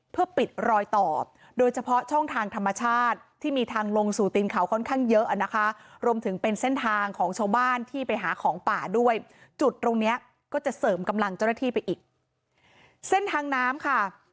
ก็จะเสริมกำลังเจ้าหน้าที่ไปอีกเส้นทางน้ำค่ะ